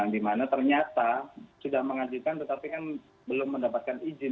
di mana ternyata sudah mengajukan tetapi kan belum mendapatkan izin